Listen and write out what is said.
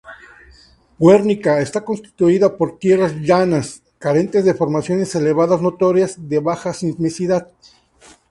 Guernica está constituida por tierras llanas, carentes de formaciones elevadas notorias, de baja sismicidad.